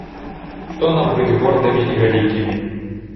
Што нам быць гордымі і вялікімі.